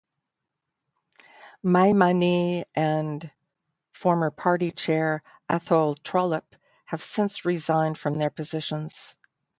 Maimane and former party chair Athol Trollip have since resigned from their positions.